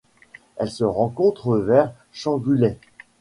Elle se rencontre vers Changuleh.